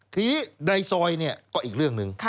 ทีนี้ในซอยเนี่ยก็อีกเรื่องหนึ่ง